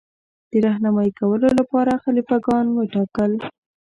د رهنمايي کولو لپاره خلیفه ګان وټاکل.